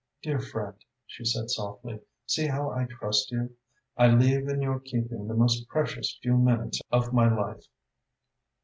"Dear friend," she said softly, "see how I trust you. I leave in your keeping the most precious few minutes of my life."